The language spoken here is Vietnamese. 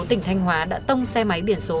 tỉnh thanh hóa đã tông xe máy biển số